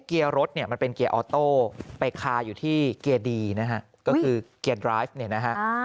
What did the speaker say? เกียร์รถเนี่ยมันเป็นเกียร์ออโต้ไปคาอยู่ที่เกียร์ดีนะฮะก็คือเกียร์ดราฟเนี่ยนะฮะ